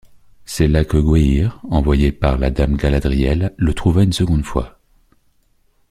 C'est là que Gwaihir, envoyé par la Dame Galadriel le trouva une seconde fois.